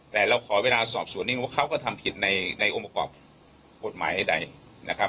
แต่เราขอเวลาสอบสวนนิดนึงว่าเขาก็ทำผิดในองค์ประกอบกฎหมายใดนะครับ